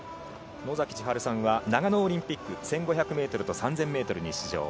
ノザキさんは長野オリンピック１５００ｍと３０００ｍに出場。